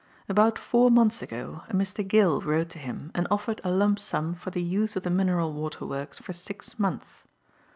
"About four months ago, a Mr. Gill wrote to him and offered a lump sum for the use of the mineral water works for six months.